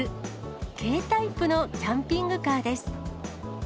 軽タイプのキャンピングカーです。